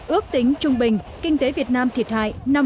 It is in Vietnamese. ước tính trung bình kinh tế việt nam thiệt hại